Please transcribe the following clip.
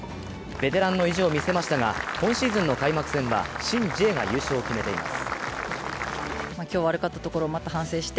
ベテランの意地を見せましたが今シーズンの開幕戦はシン・ジエが優勝を決めています。